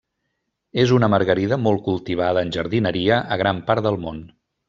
És una margarida molt cultivada en jardineria a gran part del món.